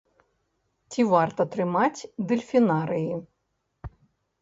Ці варта трымаць дэльфінарыі?